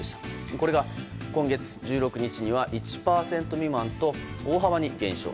これが今月１６日には１％未満と大幅に減少。